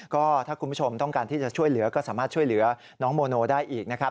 ก็ถ้าคุณผู้ชมต้องการที่จะช่วยเหลือก็สามารถช่วยเหลือน้องโมโนได้อีกนะครับ